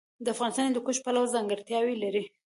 افغانستان د هندوکش پلوه ځانګړتیاوې لري.